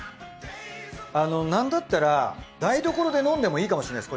あのなんだったら台所で飲んでもいいかもしれないです。